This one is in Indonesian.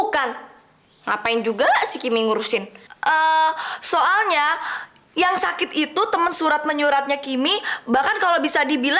kenapa emang ya kak mereka kan baik